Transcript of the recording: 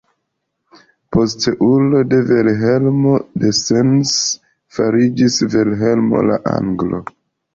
Posteulo de Vilhelmo de Sens fariĝis Vilhelmo la Anglo.